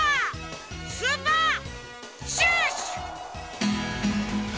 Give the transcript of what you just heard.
スーパーシュッシュ！